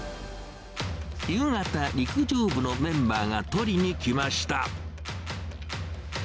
夕方、陸上部のメンバーが取りに来ました。